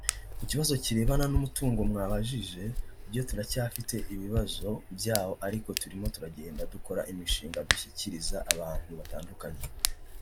Kukibazo kirebana n’umutungo mwabajije byo turacyafite ibibazo byawo ariko turimo turagenda dukora imishinga dushyikiriza abantu batandukanye